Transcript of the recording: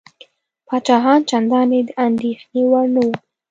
پاچاهان چنداني د اندېښنې وړ نه وه.